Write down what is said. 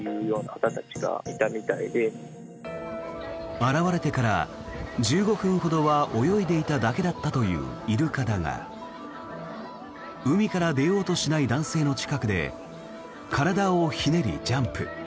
現れてから１５分ほどは泳いでいただけだったというイルカだが海から出ようとしない男性の近くで体をひねり、ジャンプ。